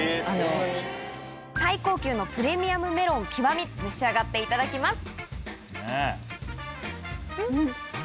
最高級のプレミアムメロン「極」召し上がっていただきます！